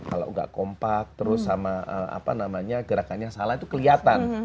kalo gak kompak terus sama apa namanya gerakannya salah itu keliatan